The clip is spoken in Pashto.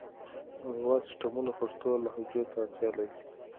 نړیوال سیسټمونه د پښتو لهجو ته اړتیا لري.